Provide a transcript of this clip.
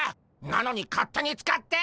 なのに勝手に使って！